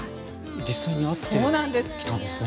実際に会ってきたんですね。